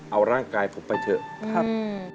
เอาร่างกายผมไปเถอะครับ